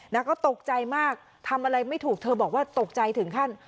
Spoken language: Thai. แล้วก็ตกใจมากทำอะไรไม่ถูกเธอบอกว่าตกใจถึงขั้น